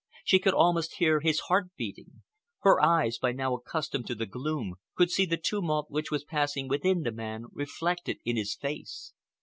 She could almost hear his heart beating. Her eyes, by now accustomed to the gloom, could see the tumult which was passing within the man, reflected in his face.